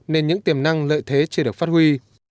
nên những tiềm năng lợi thế chưa được phát huy